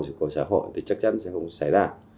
sự của xã hội thì chắc chắn sẽ không xảy ra